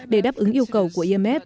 để đáp ứng yêu cầu của imf